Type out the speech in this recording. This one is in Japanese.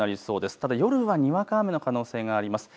ただ夜はにわか雨の可能性があります。